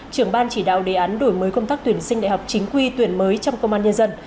trưởng ban chỉ đạo đề án đổi mới công tác tuyển sinh đại học chính quy tuyển mới trong công an nhân dân